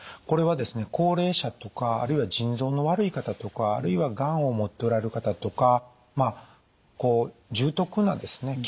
これはですね高齢者とかあるいは腎臓の悪い方とかあるいはがんを持っておられる方とかまあこう重篤なですね